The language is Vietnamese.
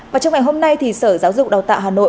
và trong ngày hôm nay thì sở giáo dục đào tạo hà nội